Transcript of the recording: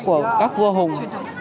của các vua hùng